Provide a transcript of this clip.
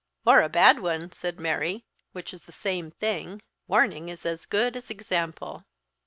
"Or a bad one," said Mary, "which is the same thing. Warning is as good as example."